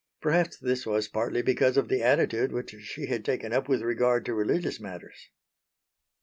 Perhaps this was partly because of the attitude which she had taken up with regard to religious matters.